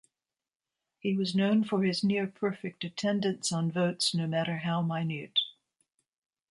He was known for his near-perfect attendance on votes no matter how minute.